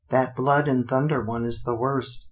That blood and thunder one is the worst.